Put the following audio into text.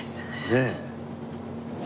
ねえ。